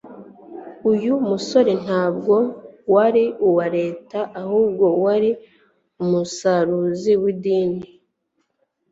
Uyu musoro ntabwo wari uwa Leta, ahubwo wari umusarizu w'idini.